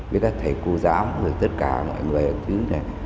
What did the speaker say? với các thầy cô giáo rồi tất cả mọi người ở thứ này